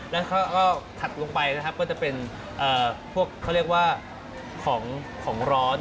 แล้วก็ถัดลงไปนะครับก็จะเป็นพวกเขาเรียกว่าของร้อน